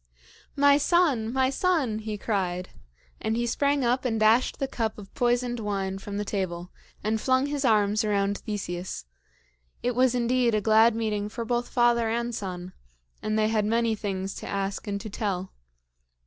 "My son! my son!" he cried; and he sprang up and dashed the cup of poisoned wine from the table, and flung his arms around Theseus. It was indeed a glad meeting for both father and son, and they had many things to ask and to tell.